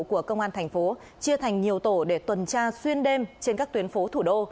của công an thành phố chia thành nhiều tổ để tuần tra xuyên đêm trên các tuyến phố thủ đô